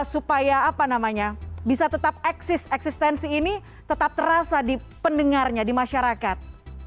supaya apa namanya bisa tetap eksis eksistensi ini tetap terasa di pendengarnya di masyarakat